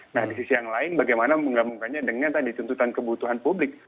nah di sisi yang lain bagaimana menggabungkannya dengan tadi tuntutan kebutuhan publik